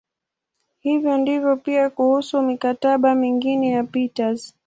Hivyo ndivyo pia kuhusu "mikataba" mingine ya Peters.